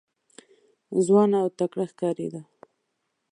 ځوان او تکړه ښکارېده.